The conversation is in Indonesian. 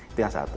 itu yang satu